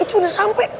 itu udah sampai